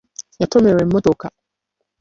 Yatomerwa emmotoka.